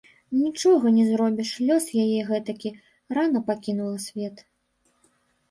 Нічога не зробіш, лёс яе гэтакі, рана пакінула свет.